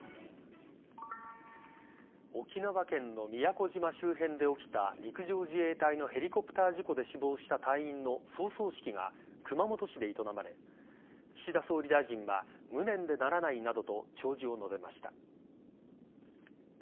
沖縄県の宮古島周辺で起きた陸上自衛隊のヘリコプター事故で死亡した隊員の葬送式が熊本市で営まれ岸田総理大臣は無念でならないなどと弔辞を述べました。